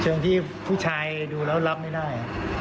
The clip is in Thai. เชิงที่ผู้ชายดูแล้วรับไม่ได้